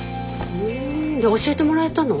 ふんで教えてもらえたの？